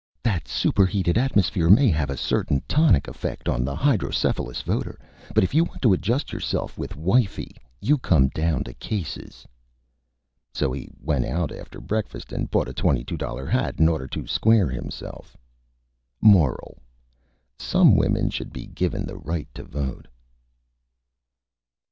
"That Superheated Atmosphere may have a certain Tonic Effect on the Hydrocephalous Voter, but if you want to adjust yourself with Wifey, you come down to Cases." So he went out after Breakfast and bought a $22 Hat in order to Square himself. MORAL: _Some Women should be given the Right to Vote.